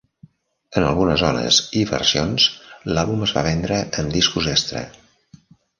En algunes zones i versions, l'àlbum es va vendre amb discos extra.